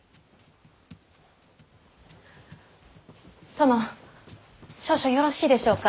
殿少々よろしいでしょうか。